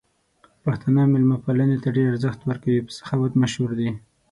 پښتانه مېلمه پالنې ته ډېر ارزښت ورکوي او په سخاوت مشهور دي.